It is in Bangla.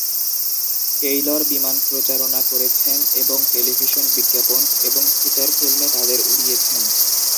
টেইলর বিমান প্রচার করেছেন এবং টেলিভিশন বিজ্ঞাপন এবং ফিচার ফিল্মে তাদের উড়িয়েছেন।